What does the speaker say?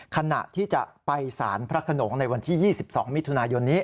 ขณะที่จะไปสารพระขนงในวันที่๒๒มิถุนายนนี้